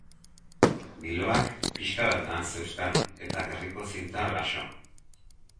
Biloak pixka bat nahas zeuzkan eta gerriko zinta laxo.